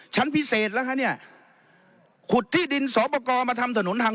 ชั้นพิเศษแล้วคะเนี่ยขุดที่ดินสอปกรมาทำถนนทาง